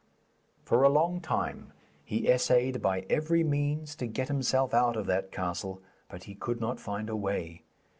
For a long time he essayed by every means to get himself out of that castle, but he could not find a way.